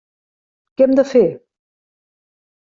Què hem de fer?